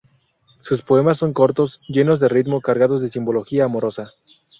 Sus poemas son cortos, llenos de ritmo, cargados de simbología amorosa.